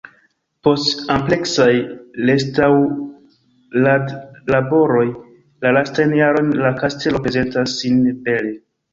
Post ampleksaj restaŭradlaboroj la lastajn jarojn la kastelo prezentas sin bele.